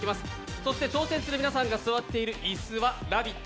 そして挑戦する皆さんが座っている椅子は「ラヴィット！」